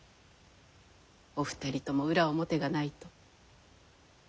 お二人とも裏表がないと。